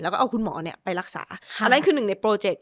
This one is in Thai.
แล้วก็เอาคุณหมอไปรักษาอันนั้นคือหนึ่งในโปรเจกต์